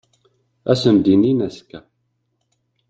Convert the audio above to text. Ad sen-d-inin azekka.